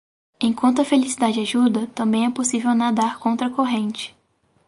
Enquanto a felicidade ajuda, também é possível nadar contra a corrente.